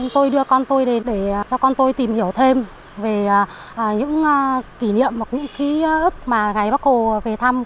tôi đưa con tôi đến để cho con tôi tìm hiểu thêm về những kỷ niệm và những ký ức mà ngày bắt hồ về thăm